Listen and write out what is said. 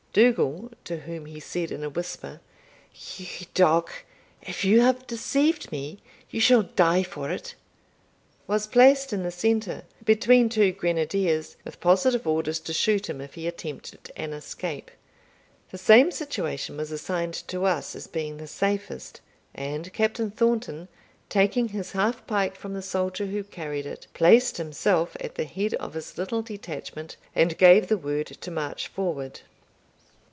Dougal, to whom he said in a whisper, "You dog, if you have deceived me, you shall die for it!" was placed in the centre, between two grenadiers, with positive orders to shoot him if he attempted an escape. The same situation was assigned to us, as being the safest, and Captain Thornton, taking his half pike from the soldier who carried it, placed himself at the head of his little detachment, and gave the word to march forward.